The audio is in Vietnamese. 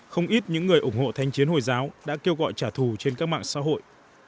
không ít những người ủng hộ thanh chiến hồi giáo đã kêu gọi trả thù trên các mạng xã hội